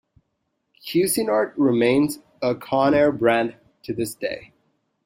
Cuisinart remains a Conair brand to this day.